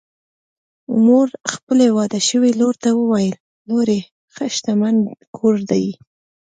مور خپلې واده شوې لور ته وویل: لورې! ښه شتمن کور دی